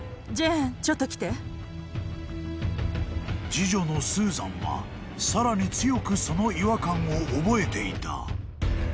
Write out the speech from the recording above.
［次女のスーザンはさらに強くその違和感を覚えていた］